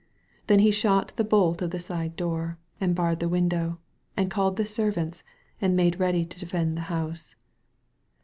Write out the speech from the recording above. Then he shot the bolt of the side door» and barred the window, and called the servants, and made ready to defend the house.